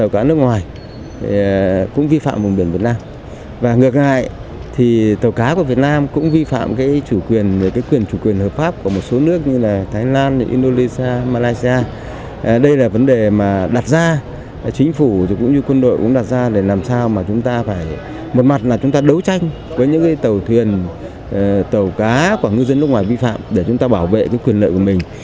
có những tàu thuyền tàu cá của ngư dân nước ngoài vi phạm để chúng ta bảo vệ quyền lợi của mình